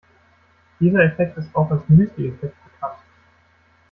Dieser Effekt ist auch als Müsli-Effekt bekannt.